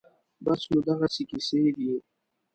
بس نو دغسې قېصې دي